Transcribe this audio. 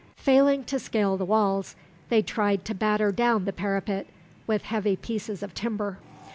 Failing to scale the walls, they tried to batter down the parapet with heavy pieces of timber.